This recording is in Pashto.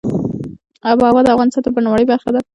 آب وهوا د افغانستان د بڼوالۍ برخه ده.